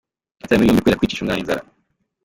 Yatawe muri yombi kubera kwicisha umwana inzara